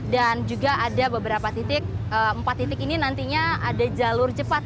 dan juga ada beberapa titik empat titik ini nantinya ada jalur cepat